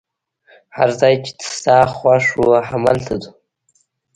هر ځای چي ستا خوښ وو، همالته ځو.